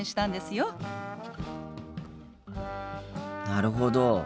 なるほど。